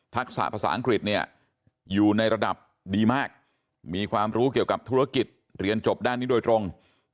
ศาสตร์ภาษาอังกฤษเนี่ยอยู่ในระดับดีมากมีความรู้เกี่ยวกับธุรกิจเรียนจบด้านนี้โดยตรง